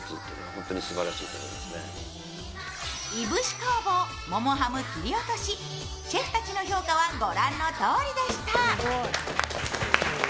燻工房ももハム切り落とし、シェフたちの評価は御覧のとおりでした。